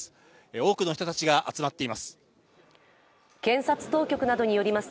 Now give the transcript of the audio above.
多くの人たちが集まっています。